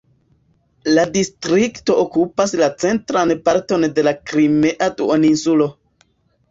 La distrikto okupas la centran parton de la Krimea duoninsulo.